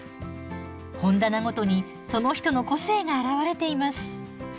本棚ごとにその人の個性が表れています。